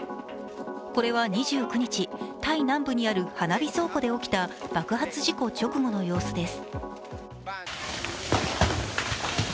これは２９日、タイ南部にある花火倉庫で起きた爆発事故直後の様子です。